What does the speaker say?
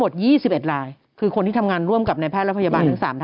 เหลือ๒ครับผม